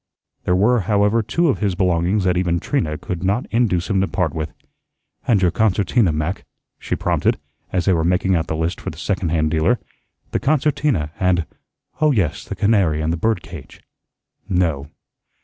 There were, however, two of his belongings that even Trina could not induce him to part with. "And your concertina, Mac," she prompted, as they were making out the list for the second hand dealer. "The concertina, and oh, yes, the canary and the bird cage." "No."